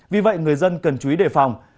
vì vậy người dân cần chú ý đề phòng